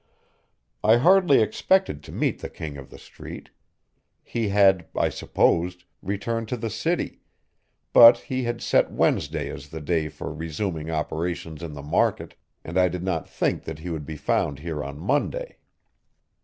I hardly expected to meet the King of the Street. He had, I supposed, returned to the city, but he had set Wednesday as the day for resuming operations in the market, and I did not think that he would be found here on Monday.